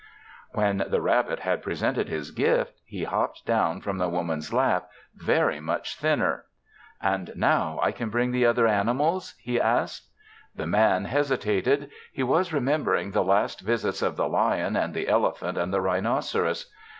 When the rabbit had presented his gift, he hopped down from the Woman's lap very much thinner. "And now can I bring the other animals?" he asked. The Man hesitated. He was remembering the last visits of the lion and the elephant and the rhinoceros.